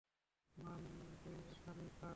মারান, তুই এখানেই থাক।